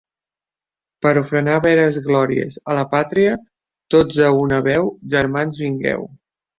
Per a ofrenar veres glòries a la pàtria, tots a una veu, germans vingueu.